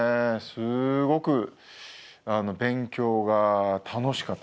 すごく勉強が楽しかったです。